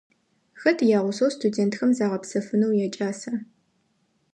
Хэт ягъусэу студентхэм загъэпсэфынэу якӏаса?